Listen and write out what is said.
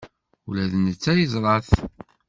Ula d netta yeẓra-t.